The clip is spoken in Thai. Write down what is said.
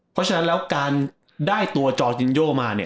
เพราะฉะนั้นแล้วการได้ตัวจอร์จินโยมาเนี่ย